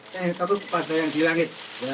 saya ingin tahu kepada yang di langit